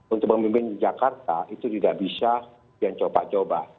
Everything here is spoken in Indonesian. untuk pemimpin jakarta itu tidak bisa dengan coba coba